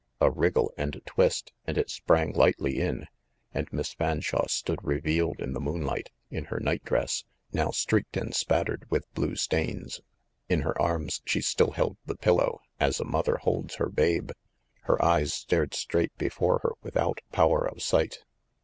A wriggle and a twist, and it sprang lightly in, and Miss Fanshawe stood revealed in the moon light, in her night dress, now streaked and spattered with blue stains. In her arms she still held the pillow, as a mother holds her babe. Her eyes stared straight before her without power of sight.